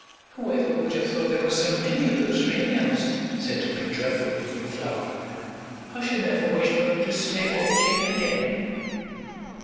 "Who ever would have thought there were so many of those Rain Elves," said a bedraggled looking flower. "I shall never wish for them to stay all day again."